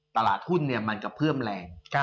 ตลาดหุ้นเนี่ยมันก็เพื่อมแรง